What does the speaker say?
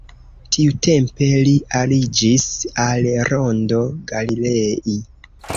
Tiutempe li aliĝis al Rondo Galilei.